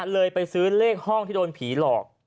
เลยไปซื้อเลขห้องที่โดนผีหลอก